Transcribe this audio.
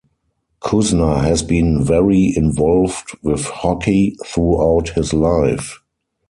Cuzner has been very involved with hockey throughout his life.